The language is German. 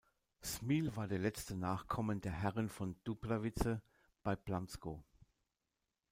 Smil war der letzte Nachkomme der Herren von Doubravice bei Blansko.